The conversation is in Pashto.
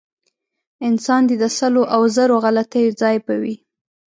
انسان دی د سلو او زرو غلطیو ځای به وي.